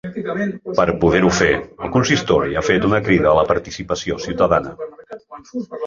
Per poder-ho fer, el consistori ha fet una crida a la participació ciutadana.